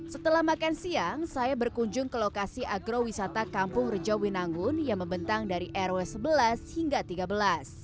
setelah makan siang saya berkunjung ke lokasi agrowisata kampung rejowinangun yang membentang dari rw sebelas hingga tiga belas